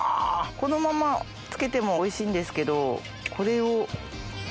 このままつけてもおいしいんですけどこれを。